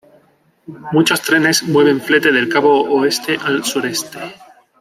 Muchos trenes mueven flete del cabo oeste al sureste.